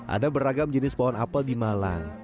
ada beragam jenis pohon apel di malang